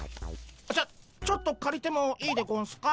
ちょちょっとかりてもいいでゴンスか？